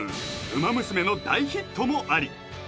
「ウマ娘」の大ヒットもあり